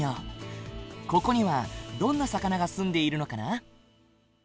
ここにはどんな魚が住んでいるのかな？